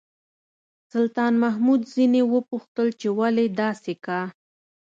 سلطان محمود ځنې وپوښتل چې ولې داسې کا.